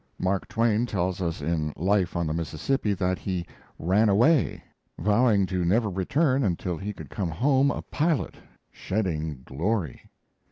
Mark Twain tells us in Life on the Mississippi that he "ran away," vowing never to return until he could come home a pilot, shedding glory.